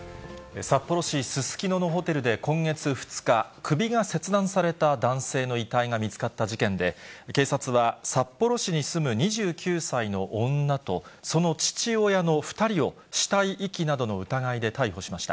札幌市すすきののホテルで今月２日、首が切断された男性の遺体が見つかった事件で、警察は、札幌市に住む２９歳の女と、その父親の２人を、死体遺棄などの疑いで逮捕しました。